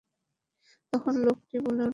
তখন লোকটি বলে উঠল।